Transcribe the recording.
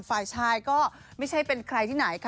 ฝ่ายชายก็ไม่ใช่เป็นใครที่ไหนค่ะ